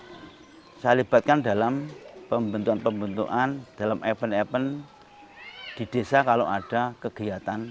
hai saya lipatkan dalam pembentukan pembentukan dalam event event di desa kalau ada kegiatan